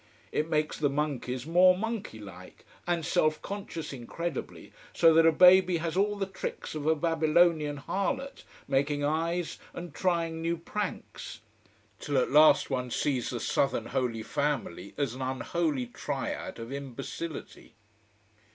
It makes the monkeys more monkey like, and self conscious incredibly, so that a baby has all the tricks of a Babylonian harlot, making eyes and trying new pranks. Till at last one sees the southern Holy Family as an unholy triad of imbecility.